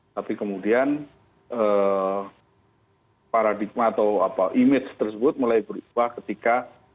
tapi kemudian paradigma atau image tersebut mulai berubah ketika